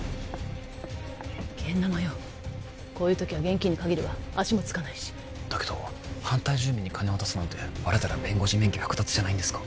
現ナマよこういう時は現金に限るわ足もつかないしだけど反対住民に金を渡すなんてバレたら弁護士免許剥奪じゃないんですか？